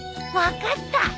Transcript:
分かった！